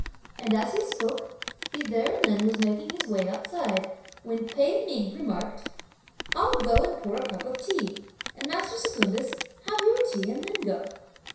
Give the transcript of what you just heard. and as he spoke, he there and then was making his way outside, when Pei Ming remarked: "I'll go and pour a cup of tea; and master Secundus, have your tea and then go."